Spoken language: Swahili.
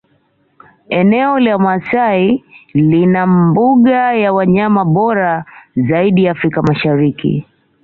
Eneo la Maasai lina mbuga ya wanyama bora zaidi Afrika Mashariki